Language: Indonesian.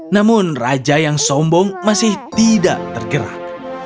namun raja yang sombong masih tidak tergerak